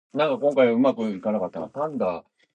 龜笑鱉無尾